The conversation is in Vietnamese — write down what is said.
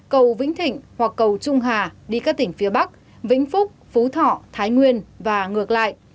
cầu vĩnh thịnh hoặc cầu trung hà đi các tỉnh phía bắc vĩnh phúc phú thọ thái nguyên và ngược lại